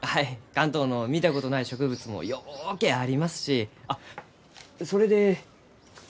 関東の見たことない植物もようけありますしあっそれで。